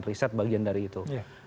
riset bagian dari itu